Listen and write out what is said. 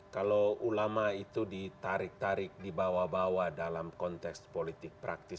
kalau ulama itu ditarik tarik dibawa bawa dalam konteks politik praktis